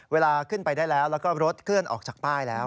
เวลาขึ้นไปได้แล้วแล้วก็รถเคลื่อนออกจากป้ายแล้ว